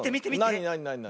なになになになに？